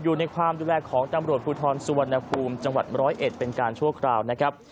อยู่ในความดูแลของตำรวจภูทรสุวรรณภูมิจังหวัด๑๐๑เป็นการชั่วคราวนะครับ